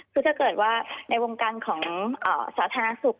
คือถ้าเกิดว่าในวงการของสาธารณสุข